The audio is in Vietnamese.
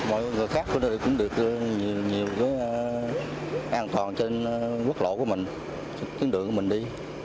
mọi người khác cũng được nhiều an toàn trên quốc lộ của mình trên đường của mình đi